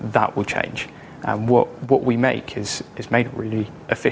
tapi dalam hal kostum spesifik